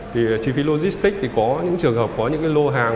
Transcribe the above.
thì chi phí logistic có những trường hợp có những lô hàng